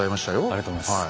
ありがとうございます。